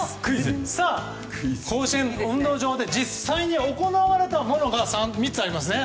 甲子園大運動場で実際に行われたものが３つありますね。